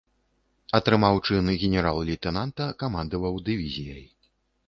Атрымаў чын генерал-лейтэнанта, камандаваў дывізіяй.